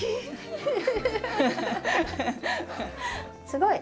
すごい。